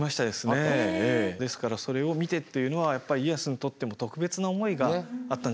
ですからそれを見てというのはやっぱり家康にとっても特別な思いがあったんじゃないかと思います。